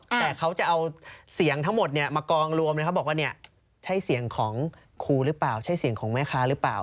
แต่เขาจะเอาเสียงทั้งหมดมากองรวมเขาบอกว่าเนี่ยใช่เสียงของครูหรือเปล่าใช่เสียงของแม่ค้าหรือเปล่า